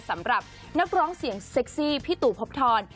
สำหรับนักร้องเสียงเซ็กซี่พี่ตู่พบทร